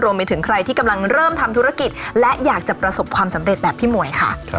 ไปถึงใครที่กำลังเริ่มทำธุรกิจและอยากจะประสบความสำเร็จแบบพี่หมวยค่ะ